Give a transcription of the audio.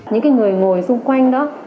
những người ngồi xung quanh đó